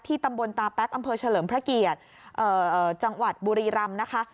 ตำบลตาแป๊กอำเภอเฉลิมพระเกียรติจังหวัดบุรีรำนะคะ